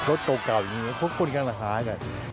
รถโตเก่าอย่างนี้คุ้นกันราคากัน